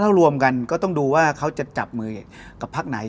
ถ้ารวมกันก็ต้องดูว่าเขาจะจับมือกับพักไหน